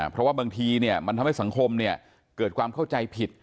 เพราะว่าบางทีมันทำให้สังคมเกิดความเข้าใจผิด